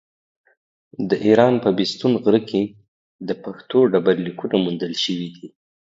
د ايران په بېستون غره کې د پښتو ډبرليکونه موندل شوي دي.